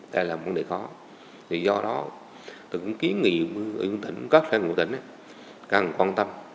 đây là vấn đề khó do đó từng ký nghị của những tỉnh các sản phẩm của tỉnh càng quan tâm